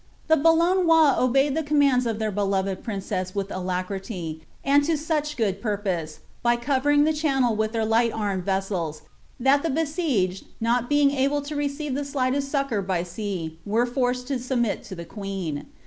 The Bonloonois obeyed the commaiids or iheir beloved princes* with •lucrity,' and to such good purpo«ei by covering ihe Chonael wvih ibeif ligbt armed vessels, that ifae besieged, not being able to receive ih* •lightest succour by sea, were foiced to Bubmii to the queen.'